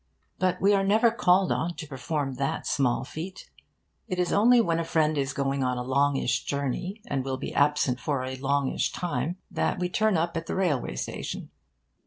But we are never called on to perform that small feat. It is only when a friend is going on a longish journey, and will be absent for a longish time, that we turn up at the railway station.